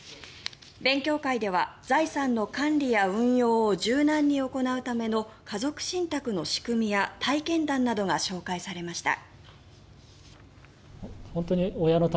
勉強会では、財産の管理や運用を柔軟に行うための家族信託の仕組みや体験談などが紹介されました。